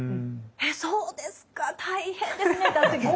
「えそうですか大変ですね」って